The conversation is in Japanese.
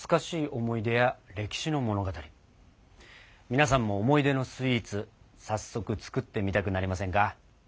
皆さんも思い出のスイーツ早速作ってみたくなりませんか？